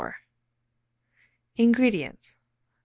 INGREDIENTS.